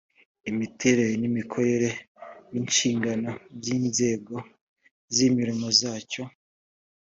imiterere imikorere n’inshingano by’inzego z’imirimo zacyo